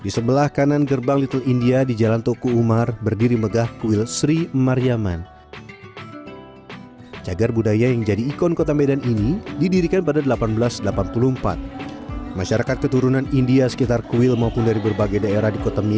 sehingga di kawasan little india ada masjid gaudiya di jalan zainul arifin